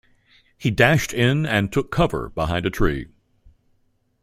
He dashed in and took cover behind a tree.